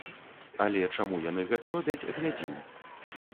Але чаму яны гэта робяць, глядзім.